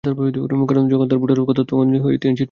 কারণ যখন তাঁর ভোটার হওয়ার কথা ছিল, তখন তিনি ছিটমহলের বাসিন্দা।